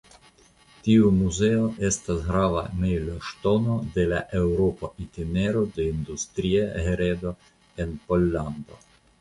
Tiu muzeo estas grava "mejloŝtono" de la Eŭropa Itinero de Industria Heredo en Pollando.